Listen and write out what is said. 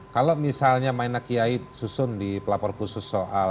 kalau misalnya maina kiai susun di pelapor khusus soal